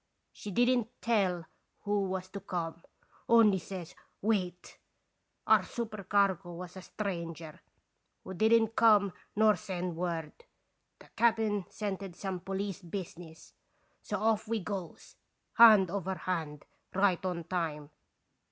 She didn't tell who was to come, only says 'Wait!' Our supercargo was a stranger, who didn't come nor send word. The cap'n scented some police business; so off we goes, hand over hand, right on time.